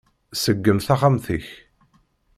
Ṣeggem taxxamt-ik!